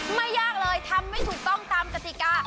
ไม่ยากเลยทำไม่ถูกต้องตามกติกา